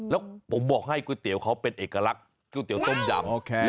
แล้วเขาจะใส่อะไร